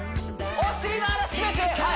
お尻の穴しめて！